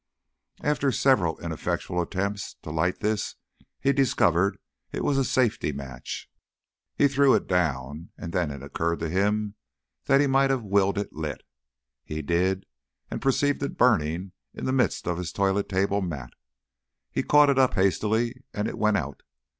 After several ineffectual attempts to light this, he discovered it was a safety match. He threw it down, and then it occurred to him that he might have willed it lit. He did, and perceived it burning in the midst of his toilet table mat. He caught it up hastily, and it went out.